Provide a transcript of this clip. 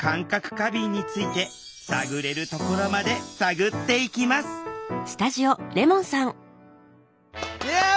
過敏について探れるところまで探っていきますイエイ！